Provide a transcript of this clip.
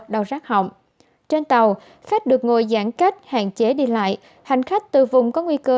đau rắc hỏng trên tàu khách được ngồi giãn cách hạn chế đi lại hành khách từ vùng có nguy cơ